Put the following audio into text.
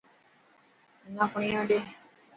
منا فيڻو ڏي.